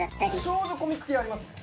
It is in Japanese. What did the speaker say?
「『少女コミック』系ありますね」